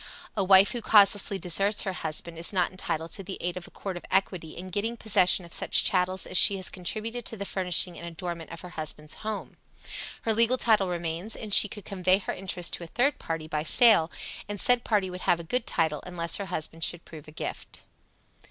A wife who causelessly deserts her husband is not entitled to the aid of a court of equity in getting possession of such chattels as she has contributed to the furnishing and adornment of her husband's house. Her legal title remains, and she could convey her interest to a third party by sale, and said party would have a good title, unless her husband should prove a gift.